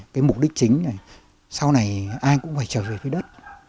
cái mục đích chính là sau này ai cũng phải trở về với đất